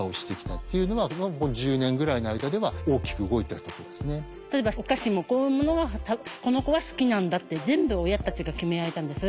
ただどうしても育成会の活動も例えばお菓子も「こういうものがこの子は好きなんだ」って全部親たちが決められたんです。